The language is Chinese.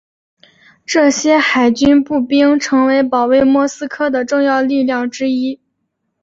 这些海军步兵成为了保卫莫斯科的重要力量之一。